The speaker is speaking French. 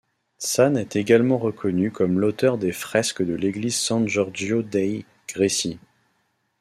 Tzanes est également reconnu comme l'auteur des fresques de l'Église San Giorgio dei Greci.